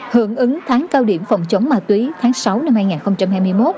hưởng ứng tháng cao điểm phòng chống ma túy tháng sáu năm hai nghìn hai mươi một